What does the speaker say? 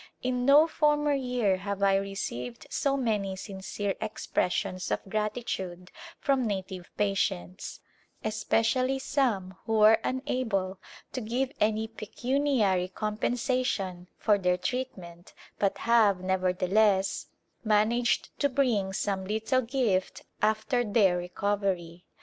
In no former year have I received so many sincere expressions of gratitude from native patients, especially some who were unable to give any pecuniary compensation for their treatment but have, nevertheless, managed to bring some little gift after their recovery.